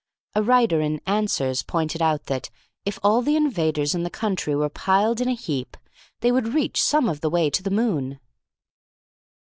A writer in Answers pointed out that, if all the invaders in the country were piled in a heap, they would reach some of the way to the moon.